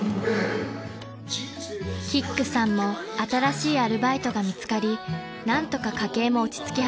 ［キックさんも新しいアルバイトが見つかり何とか家計も落ち着き始めました］